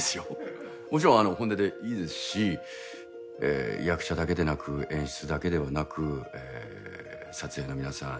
もちろん本音でいいですし役者だけでなく演出だけではなく撮影の皆さん